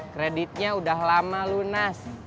kreditnya udah lama lunas